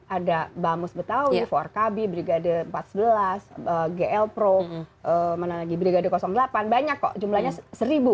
ada bamus betawi empat kb brigade empat belas gl pro brigade delapan banyak kok jumlahnya seribu